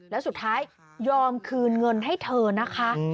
แล้วสุดท้ายยอมคืนเงินให้เธอนะคะ